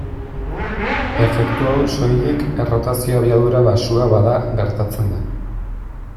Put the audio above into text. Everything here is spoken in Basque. Efektu hau soilik errotazio abiadura baxua bada gertatzen da.